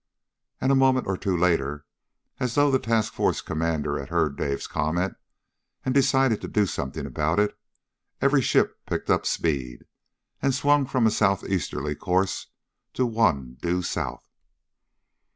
And a moment or two later, as though the task force commander had heard Dave's comment and decided to do something about it, every ship picked up speed and swung from a southeasterly course to one due south.